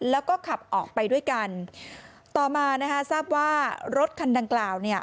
แล้วก็ขับออกไปด้วยกันต่อมานะคะทราบว่ารถคันดังกล่าวเนี่ย